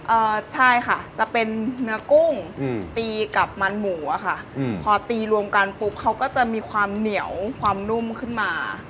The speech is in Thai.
เอ่อใช่ค่ะจะเป็นเนื้อกุ้งอืมตีกับมันหมูอ่ะค่ะอืมพอตีรวมกันปุ๊บเขาก็จะมีความเหนียวความนุ่มขึ้นมา